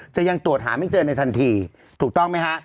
ยังตรวจหาไม่เจอในทันทีถูกต้องไหมฮะ